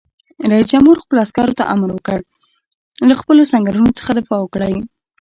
رئیس جمهور خپلو عسکرو ته امر وکړ؛ له خپلو سنگرونو څخه دفاع وکړئ!